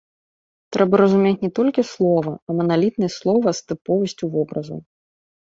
Трэба разумець не толькі слова, а маналітнасць слова з тыповасцю вобразаў.